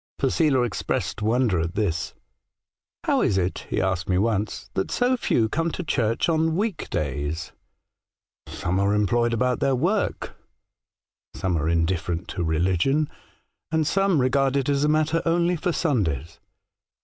Posela expressed wonder at this. ' How is it,' he asked me once, * that so few come to church on week days ?'"' Some are employed about their work, some are indifferent to religion, and some re gard it as a matter only for Sundays.'